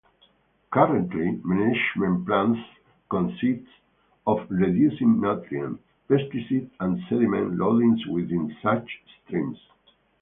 Currently, management plans consist of reducing nutrient, pesticide, and sediment loadings within such streams.